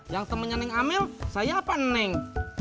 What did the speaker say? yang temennya neng amel saya apa neng